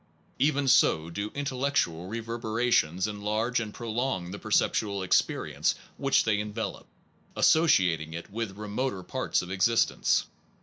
Even so do intellectual reverberations enlarge and prolong the perceptual experience which they envelop, associating it with remoter parts of existence.